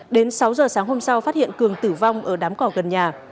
đến sáu giờ sáng hôm sau phát hiện cường tử vong ở đám cỏ gần nhà